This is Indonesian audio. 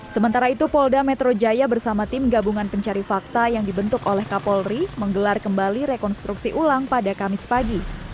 sementara itu polda metro jaya bersama tim gabungan pencari fakta yang dibentuk oleh kapolri menggelar kembali rekonstruksi ulang pada kamis pagi